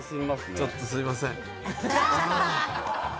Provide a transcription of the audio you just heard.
ちょっとすいません。